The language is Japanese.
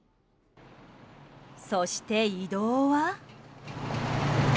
そして、移動は。